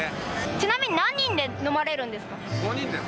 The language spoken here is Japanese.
ちなみに何人で飲まれるんで５人です。